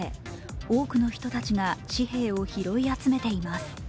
多くの人たちが紙幣を拾い集めています。